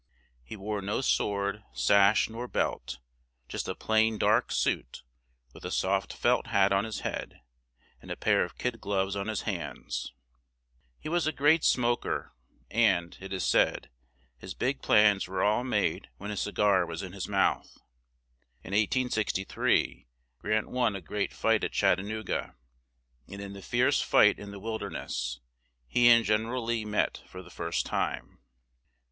He wore no sword, sash, nor belt; just a plain, dark suit, with a soft felt hat on his head, and a pair of kid gloves on his hands; he was a great smoker, and, it is said, his big plans were all made when his ci gar was in his mouth. In 1863, Grant won a great fight at Chat ta noo ga; and in the fierce fight in the Wil der ness, he and Gen er al Lee met for the first time.